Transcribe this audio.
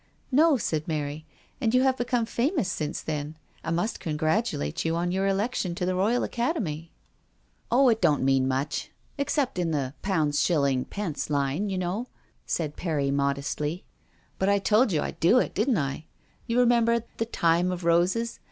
" No," said Mary, " and you have become famous since then. * I must congratulate you on your election to the Royal Academy." " Oh, it don't mean much — except in the £ s. d. line, you know," said Perry apologeti cally. "But I told you Fd do it, didn't I? You remember l The Time of Roses.'